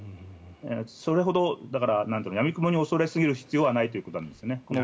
それほどやみくもに恐れすぎる必要はないということなんですね。